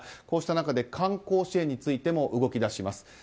こうした中で観光支援についても動き出します。